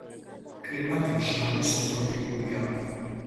კლიმატი მშრალი სუბტროპიკულია.